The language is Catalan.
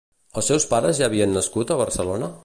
Els seus pares ja havien nascut a Barcelona?